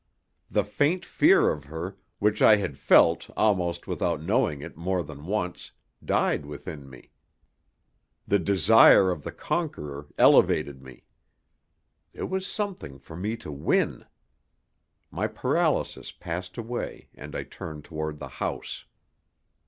The faint fear of her, which I had felt almost without knowing it more than once, died within me. The desire of the conqueror elevated me. There was something for me to win. My paralysis passed away, and I turned toward the house.